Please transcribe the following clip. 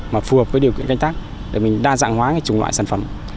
mà phù hợp với điều kiện canh tác để mình đa dạng hóa cái chủng loại sản phẩm